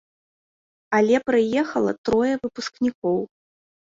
Але прыехала трое выпускнікоў.